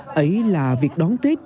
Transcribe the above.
đấy là việc đón tết